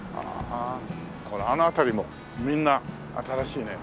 ああほらあの辺りもみんな新しいね。